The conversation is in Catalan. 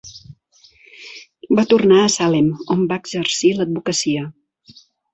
Va tornar a Salem, on va exercir l'advocacia.